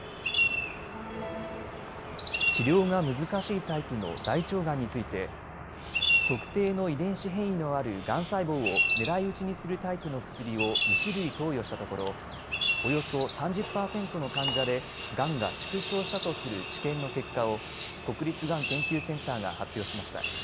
治療が難しいタイプの大腸がんについて特定の遺伝子変異のあるがん細胞を狙い撃ちにするタイプの薬を２種類投与したところおよそ３０％の患者でがんが縮小したとする治験の結果を国立がん研究センターが発表しました。